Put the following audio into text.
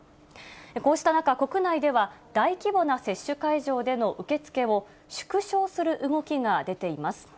こうした中、国内では大規模な接種会場での受け付けを縮小する動きが出ています。